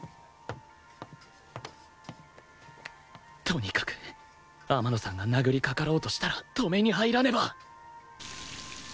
とにかく天野さんが殴りかかろうとしたら止めに入らねば！